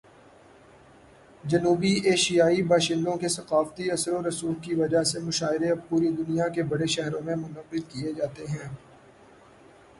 جنوبی ایشیائی باشندوں کے ثقافتی اثر و رسوخ کی وجہ سے، مشاعرے اب پوری دنیا کے بڑے شہروں میں منعقد کیے جاتے ہیں۔